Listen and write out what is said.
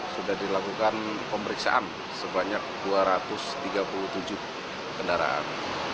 sudah dilakukan pemeriksaan sebanyak dua ratus tiga puluh tujuh kendaraan